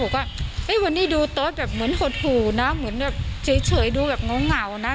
บอกว่าเอ๊ะวันนี้ดูโต๊ะแบบเหมือนหดหูนะเหมือนแบบเฉยเฉยดูแบบเหงาเหงานะ